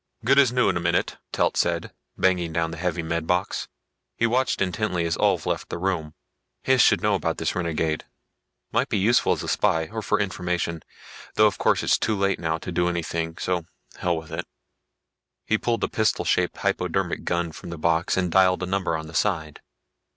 "Good as new in a minute," Telt said, banging down the heavy med box. He watched intently as Ulv left the room. "Hys should know about this renegade. Might be useful as a spy, or for information though of course it's too late now to do anything, so the hell with it." He pulled a pistol shaped hypodermic gun from the box and dialed a number on the side.